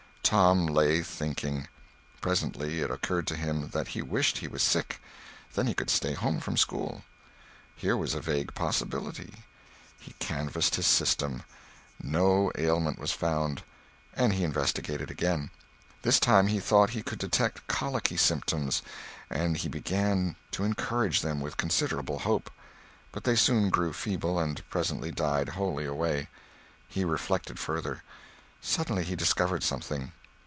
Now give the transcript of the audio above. Tom lay thinking. Presently it occurred to him that he wished he was sick; then he could stay home from school. Here was a vague possibility. He canvassed his system. No ailment was found, and he investigated again. This time he thought he could detect colicky symptoms, and he began to encourage them with considerable hope. But they soon grew feeble, and presently died wholly away. He reflected further. Suddenly he discovered something.